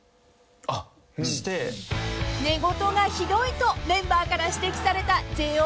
［寝言がひどいとメンバーから指摘されたＪＯ